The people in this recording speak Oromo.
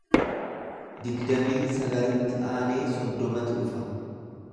Digdamii sagalitti aanee soddomatu dhufa